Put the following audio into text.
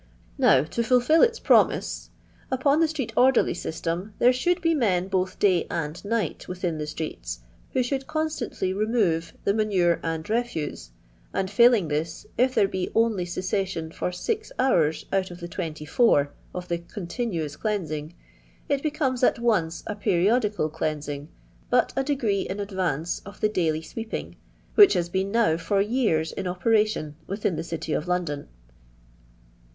"Now to fulfil its pronnse: upon the 'street orderly system,' there should be men both day and night within the streets, who should con* stantly remove the manure and reftise, and, failing this, if there be only cessation for six hours out of the twenty four of the ' continuous cleans ing,* it becomes at once a periodical cleansing but a degree in advance of the daily sweeping, which has been now for years in operation within the city of London.